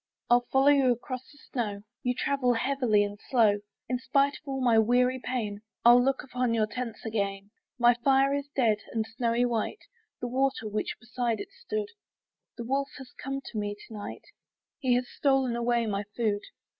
I'll follow you across the snow, You travel heavily and slow: In spite of all my weary pain, I'll look upon your tents again. My fire is dead, and snowy white The water which beside it stood; The wolf has come to me to night, And he has stolen away my food.